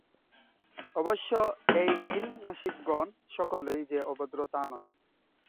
অবশ্য এই নীলনাসিকগণ সকলেই যে অভদ্র, তা নয়।